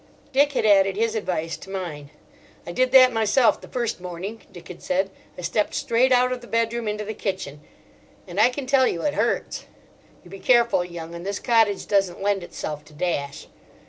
Dick had added his advice to mine. "I did that myself the first morning," Dick had said. "I stepped straight out of the bedroom into the kitchen; and I can tell you, it hurts. You be careful, young 'un. This cottage doesn't lend itself to dash."